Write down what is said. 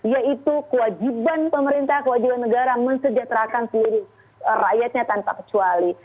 yaitu kewajiban pemerintah kewajiban negara mensejahterakan seluruh rakyatnya tanpa kecuali